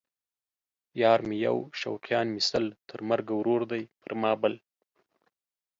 یار مې یو شوقیان مې سل ـ تر مرګه ورور دی پر ما بل